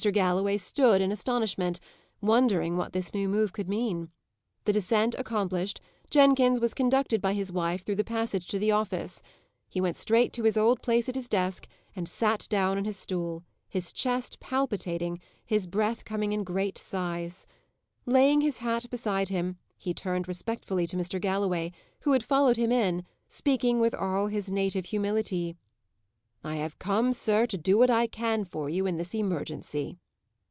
Galloway stood in astonishment, wondering what this new move could mean. The descent accomplished, Jenkins was conducted by his wife through the passage to the office. He went straight to his old place at his desk, and sat down on his stool, his chest palpitating, his breath coming in great sighs. Laying his hat beside him, he turned respectfully to Mr. Galloway, who had followed him in, speaking with all his native humility: "I have come, sir, to do what I can for you in this emergency."